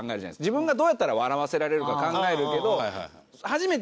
自分がどうやったら笑わせられるか考えるけど。